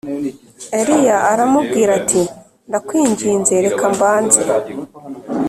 Eliya aramubwira ati Ndakwinginze reka mbanze